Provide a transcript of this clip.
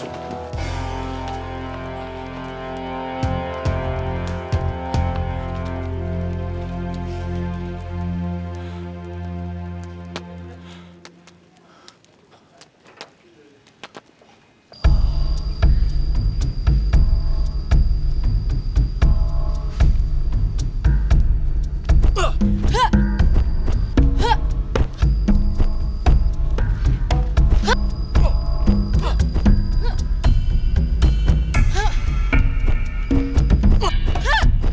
sakti gak mau dikekang